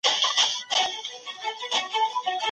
د ثمر ګل زوی په ډېرې خوښۍ سره د ونې لوري ته ورمنډه کړه.